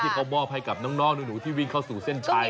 เขามอบให้กับน้องหนูที่วิ่งเข้าสู่เส้นชัย